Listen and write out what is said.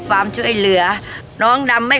ประมาณ๗๐๘๐ปีได้แล้วบ้านหลังนี้